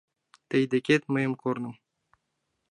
Тый декет мый корным